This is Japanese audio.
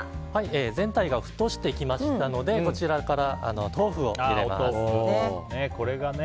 全体が沸騰してきましたので豆腐を入れます。